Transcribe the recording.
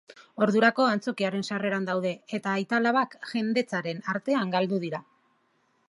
Ordurako antzokiaren sarreran daude, eta aita-alabak jendetzaren artean galdu dira.